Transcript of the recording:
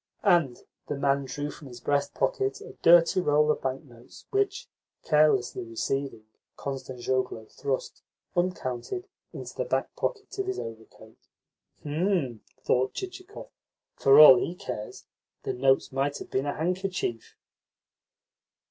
And the man drew from his breast pocket a dirty roll of bank notes, which, carelessly receiving, Kostanzhoglo thrust, uncounted, into the back pocket of his overcoat. "Hm!" thought Chichikov. "For all he cares, the notes might have been a handkerchief."